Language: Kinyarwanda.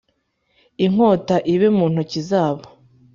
inkota ibe mu ntoki zabo